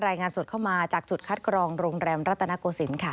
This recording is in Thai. รายงานสดเข้ามาจากจุดคัดกรองโรงแรมรัตนโกศิลป์ค่ะ